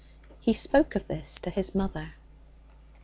He spoke of this to his mother.